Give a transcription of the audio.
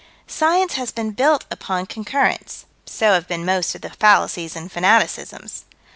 Science has been built upon concurrence: so have been most of the fallacies and fanaticisms.